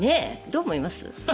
どう思います？